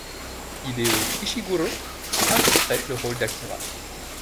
Hideo Ishiguro interprète le rôle d'Akira.